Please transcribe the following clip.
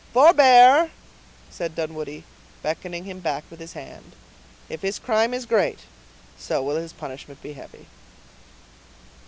"Forbear!" said Dunwoodie, beckoning him back with his hand. "If his crime is great, so will his punishment be heavy."